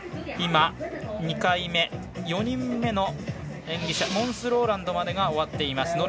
２回目、４人目の演技者モンス・ローランドまでが終わっています。